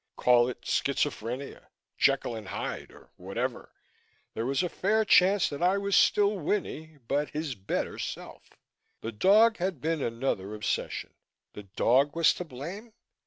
Call it schizophrenia, Jekyll and Hyde, or whatever, there was a fair chance that I was still Winnie, but his better self. The dog had been another obsession. The dog was to blame?